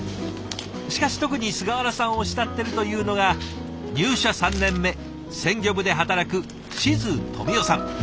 しかし特に菅原さんを慕ってるというのが入社３年目鮮魚部で働く静富夫さん。